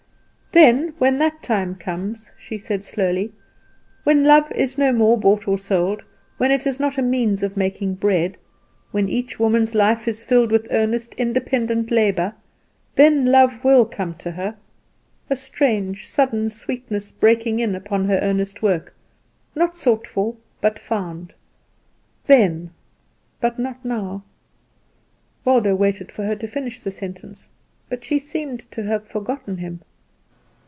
"Then when that time comes," she said lowly, "when love is no more bought or sold, when it is not a means of making bread, when each woman's life is filled with earnest, independent labour, then love will come to her, a strange, sudden sweetness breaking in upon her earnest work; not sought for, but found. Then, but not now " Waldo waited for her to finish the sentence, but she seemed to have forgotten him.